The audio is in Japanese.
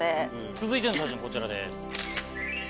続いての写真こちらです。